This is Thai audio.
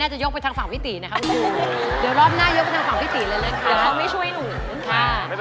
อเฮ้ยกูนี่อาจจะยกไปทางฝั่งพิตินะครับ